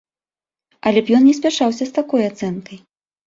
Але я б ён не спяшаўся з такой ацэнкай.